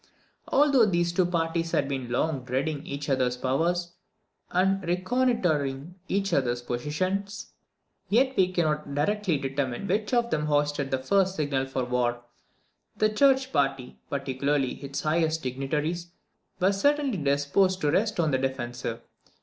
Although these two parties had been long dreading each others power, and reconnoitring each others position, yet we cannot exactly determine which of them hoisted the first signal for war. The church party, particularly its highest dignitaries, were certainly disposed to rest on the defensive.